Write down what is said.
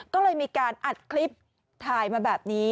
ก็เลยมีการอัดคลิปถ่ายมาแบบนี้